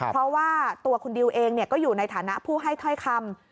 เพราะว่าตัวคุณดิวเองก็อยู่ในฐานะผู้ให้ถ้อยคำ